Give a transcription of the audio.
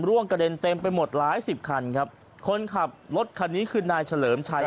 กระเด็นเต็มไปหมดหลายสิบคันครับคนขับรถคันนี้คือนายเฉลิมชัย